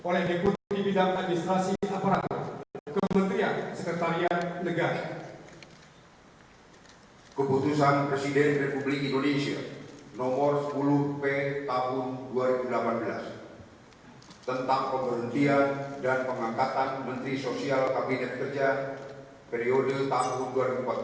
lalu kebangsaan indonesia baik